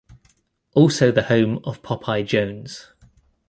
Also the home of Popeye Jones.